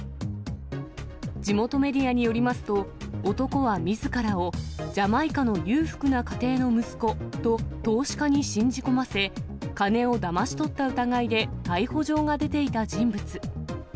地元メディアによりますと、男はみずからをジャマイカの裕福な家庭の息子と、投資家に信じ込ませ、金をだまし取った疑いで逮捕状が出ていた人物。